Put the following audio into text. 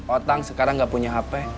otang sekarang nggak punya hp